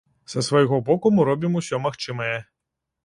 Са свайго боку мы робім усё магчымае.